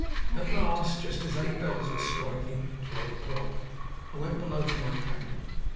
At last, just as eight bells was striking (twelve o'clock), I went below to my cabin.